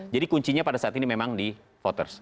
jadi kuncinya pada saat ini memang di voters